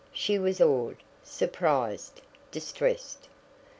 She was awed, surprised, distressed.